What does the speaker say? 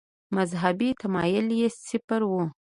مذهبي تمایل یې صفر و.